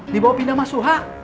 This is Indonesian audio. dibawa pindah ke suha